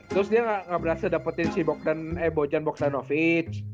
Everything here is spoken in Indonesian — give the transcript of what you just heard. terus dia ga berhasil dapetin si bogdan eh bojan bogdanovic